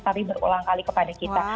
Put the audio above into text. tapi berulang kali kepada kita